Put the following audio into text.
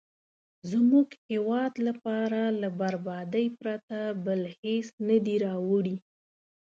زموږ هیواد لپاره له بربادۍ پرته بل هېڅ نه دي راوړي.